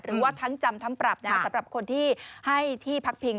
หรือว่าทั้งจำทั้งปรับสำหรับคนที่ให้ที่พักพิง